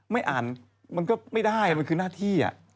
ไม่อ่านมันก็ไม่ได้มันคือหน้าที่